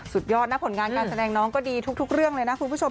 สุดยอดนะผลงานการแสดงน้องก็ดีทุกเรื่องเลยนะคุณผู้ชม